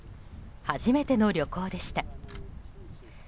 初めての旅行でした。